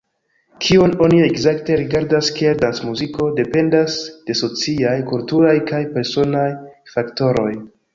Kion oni ekzakte rigardas kiel dancmuziko, dependas de sociaj, kulturaj kaj personaj faktoroj.